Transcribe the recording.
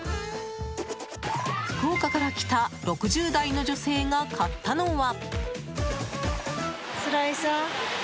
福岡から来た６０代の女性が買ったのは。